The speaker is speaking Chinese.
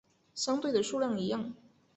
相对的数量一样。